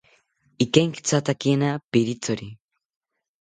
Ikenkithatakakina pirithori